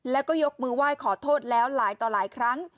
แล้วก็ยกมือไหว้ขอโทษแล้วหลายต่อหลายครั้ง